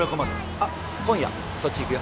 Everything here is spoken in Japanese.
あっ今夜そっち行くよ。